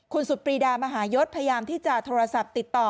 คุณสุดปรีดามหายศพยายามที่จะโทรศัพท์ติดต่อ